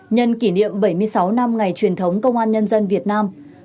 nhân kỷ niệm bảy mươi sáu năm ngày truyền thống công an nhân dân việt nam